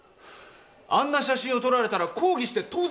あんな写真を撮られたら抗議して当然じゃないですか。